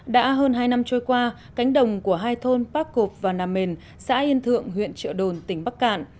đã hơn hai năm trôi qua cánh đồng của hai thôn bác cộp và nam mền xã yên thượng huyện trợ đồn tỉnh bắc cạn